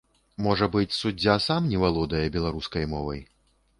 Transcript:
Можа быць, суддзя сам не валодае беларускай мовай?